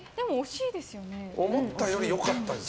思ったより良かったですね。